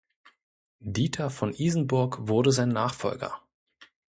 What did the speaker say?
Diether von Isenburg wurde sein Nachfolger.